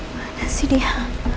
mana sih dia